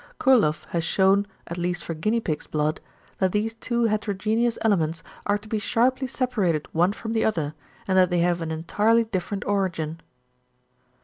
Kurloff has shewn, at least for guinea pig's blood, that these two heterogeneous elements are to be sharply separated one from the other, and that they have an entirely different origin.